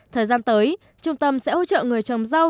thời gian tới trung tâm sẽ hỗ trợ người trồng rau